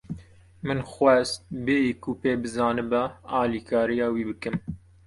Min xwest bêyî ku pê bizanibe, alîkariya wî bikim.